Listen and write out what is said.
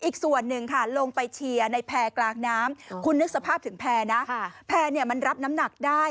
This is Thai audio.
คุณนึกสภาพถึงแพร่นะแพร่มันรับน้ำหนักได้